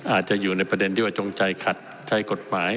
อาจจะอยู่ในประเด็นที่ว่าจงใจขัดใช้กฎหมาย